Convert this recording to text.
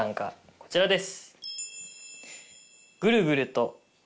こちらです。